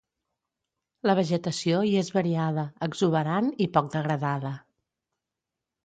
La vegetació hi és variada, exuberant i poc degradada.